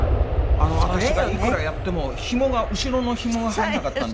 私がいくらやってもひもが後ろのひもが入らなかったんです。